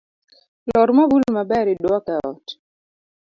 Lor mabul maber iduok eot